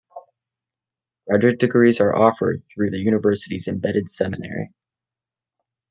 Graduate degrees are offered through the university's embedded seminary.